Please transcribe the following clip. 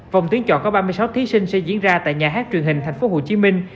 vòng tuyến chọn có ba mươi sáu thí sinh sẽ diễn ra tại nhà hát truyền hình thành phố hồ chí minh